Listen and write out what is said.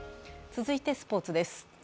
続いてスポーツです。